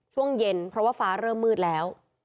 ช่วงเย็นเพราะว่าฟ้าเริ่มมืดแล้ว